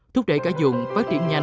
thúc đẩy cả dùng phát triển nhà hàng